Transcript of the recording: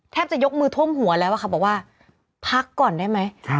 จะยกมือท่วมหัวแล้วอะค่ะบอกว่าพักก่อนได้ไหม